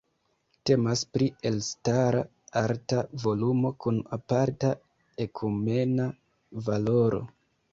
Temas pri elstara arta volumo kun aparta ekumena valoro.